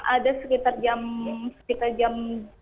ada sekitar jam sepuluh jam sebelas